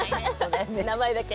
名前だけ。